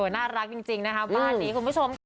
น่ารักจริงนะคะบ้านนี้คุณผู้ชมค่ะ